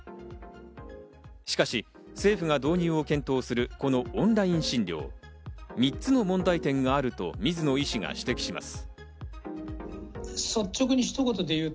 しかし政府が導入を検討するこのオンライン診療、３つの問題点があると水野医師が指摘します。